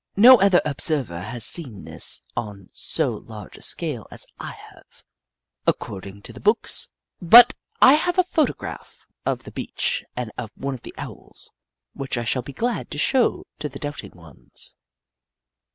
No other observer has seen this on so large a scale as I have, according to the books, 204 The Book of Clever Beasts but I have a photograph of the beach and of one of the Owls, which I shall be glad to show to the doubting ones.